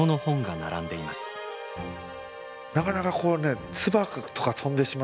なかなかこうね唾とか飛んでしまったらもう。